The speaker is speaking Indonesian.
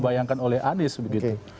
bayangkan oleh anies begitu